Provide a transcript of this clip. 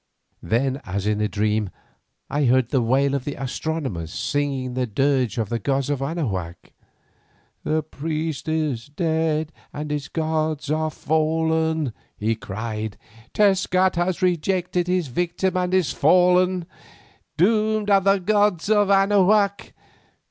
Then as in a dream I heard the wail of the astronomer singing the dirge of the gods of Anahuac. "The priest is dead and his gods are fallen," he cried. "Tezcat has rejected his victim and is fallen; doomed are the gods of Anahuac!